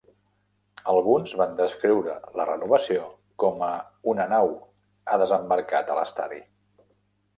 Alguns van descriure la renovació com a "una nau ha desembarcat a l'estadi".